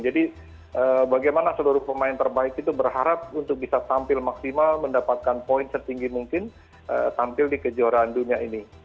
jadi bagaimana seluruh pemain terbaik itu berharap untuk bisa tampil maksimal mendapatkan poin setinggi mungkin tampil di kejuaraan dunia ini